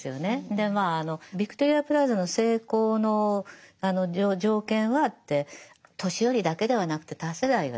でまああのヴィクトリア・プラザの成功の条件はって年寄りだけではなくて多世代がいる。